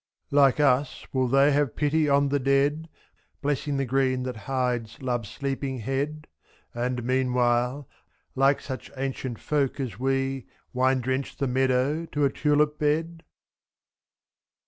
Like us, will they have pity on the dead. Blessing the green that hides love's sleeping head, ^5. And, meanwhile, like such ancient folk as we. Wine drench the meadow to a tulip bed?